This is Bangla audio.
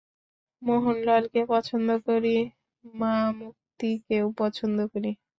মোহনলালকে পছন্দ করি, মামুত্তিকেও পছন্দ করি।